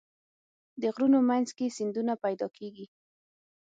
د غرونو منځ کې سیندونه پیدا کېږي.